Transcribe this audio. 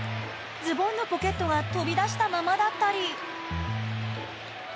ズボンのポケットが飛び出したままだったり。